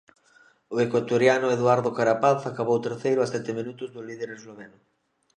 O ecuatoriano Eduardo Carapaz acabou terceiro a sete minutos do líder esloveno.